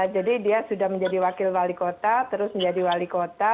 jadi dia sudah menjadi wakil wali kota terus menjadi wali kota